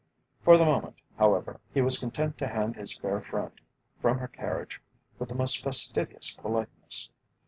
For the moment, however, he was content to hand his fair friend from her carriage with the most fastidious politeness.